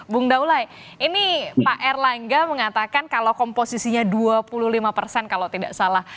bung daulai ini pak erlangga mengatakan kalau komposisinya dua puluh lima persen kalau tidak salah